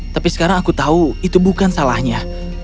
tapi sekarang aku tahu itu bukan salahnya